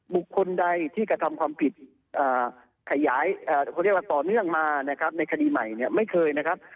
บุคคลใดที่กระทำความผิดขยายต่อเนื่องมาในคดีใหม่ไม่เคยนะครับ